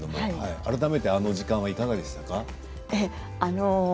改めてあの時間はいかがでしたか。